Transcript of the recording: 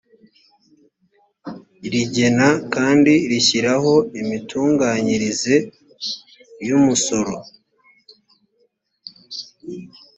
rigena kandi rishyiraho imitunganyirize y umusoro